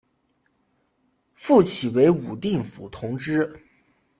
复起为武定府同知。